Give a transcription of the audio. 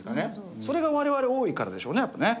それが我々多いからでしょうねやっぱね。